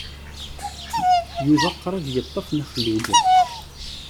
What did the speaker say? Yuba qrib yeṭṭef Nna Xelluǧa.